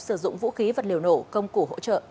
sử dụng vũ khí vật liệu nổ công cụ hỗ trợ